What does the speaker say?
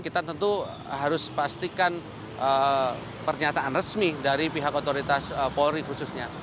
kita tentu harus pastikan pernyataan resmi dari pihak otoritas polri khususnya